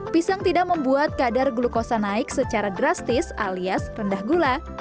pisang tidak membuat kadar glukosa naik secara drastis alias rendah gula